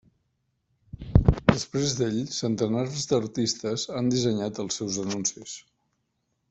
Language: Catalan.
Després d'ell, centenars d'artistes han dissenyat els seus anuncis.